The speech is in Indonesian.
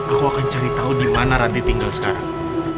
aku akan cari tau dimana ranti tinggal sekarang